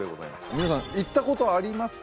皆さん行ったことありますか？